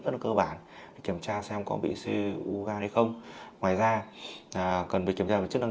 rất là cơ bản để kiểm tra xem có bị siêu u gan hay không ngoài ra cần phải kiểm tra về chất năng